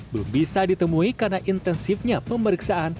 belum bisa ditemui karena intensifnya pemeriksaan